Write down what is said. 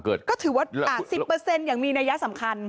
ก็ถือว่า๑๐อย่างมีนัยสำคัญ